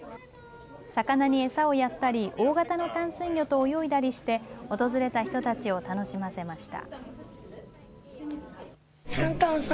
魚に餌やったり大形の淡水魚と泳いだりして訪れた人たちを楽しませました。